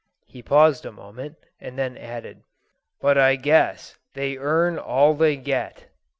He paused a moment, and then added: "But I guess they earn all they get."